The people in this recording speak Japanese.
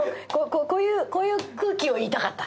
こういう空気を言いたかった。